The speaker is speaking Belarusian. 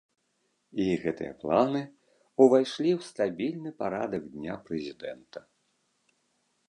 І гэтыя планы ўвайшлі ў стабільны парадак дня прэзідэнта.